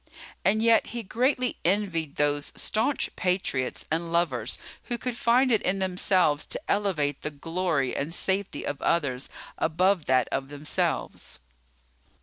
And yet he greatly envied those staunch patriots and lovers who could find it in themselves to elevate the glory and safety of others above that of themselves.